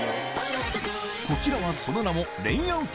こちらはその名もえウソ！